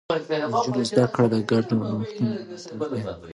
د نجونو زده کړه د ګډو نوښتونو ملاتړ کوي.